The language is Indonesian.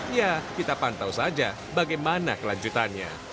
ya kita pantau saja bagaimana kelanjutannya